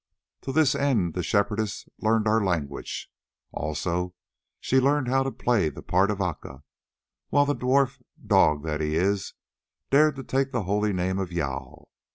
To this end the Shepherdess learned our language, also she learned how to play the part of Aca, while the dwarf, dog that he is, dared to take the holy name of Jâl.